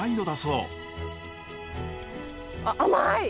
あっ甘い！